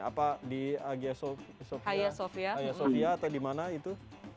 apa di hagia sofia atau di mana itu